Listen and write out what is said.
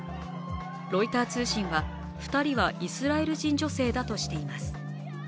ロイター通信は、２人はイスラエル人女性だとしています。